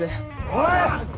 おい！